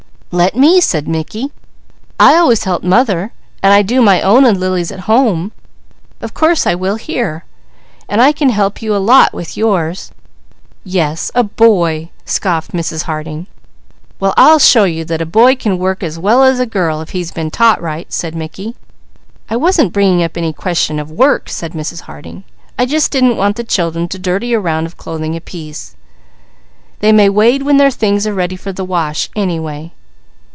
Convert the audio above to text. "Let me," said Mickey. "I always helped mother, and I do my own and Lily's at home. Of course I will here, and I can help you a lot with yours!" "Yes a boy!" scoffed Mrs. Harding. "Well I'll show you that a boy can work as well as a girl, if he's been taught right," said Mickey. "I wasn't bringing up any question of work," said Mrs. Harding. "I just didn't want the children to dirty a round of clothing apiece. They may wade when their things are ready for the wash anyway.